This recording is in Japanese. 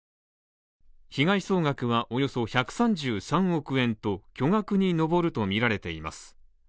被害総額はおよそ１３３億円と巨額に上るとみられています。